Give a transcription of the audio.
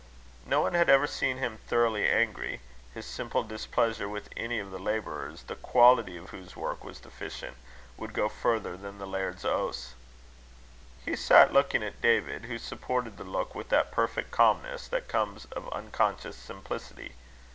No one had ever seen him thoroughly angry; his simple displeasure with any of the labourers, the quality of whose work was deficient, would go further than the laird's oaths. Hugh sat looking at David, who supported the look with that perfect calmness that comes of unconscious simplicity.